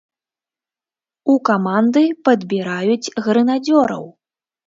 У каманды падбіраюць грэнадзёраў!